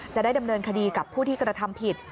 จะได้ดำเนินคดีกับผู้ที่กระทำผิด